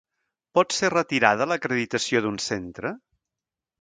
Pot ser retirada l'acreditació d'un centre?